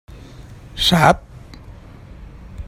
Sap?